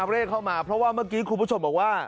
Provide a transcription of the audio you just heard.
เลขเข้ามาเพราะว่าเมื่อกี้คุณผู้ชมบอกว่า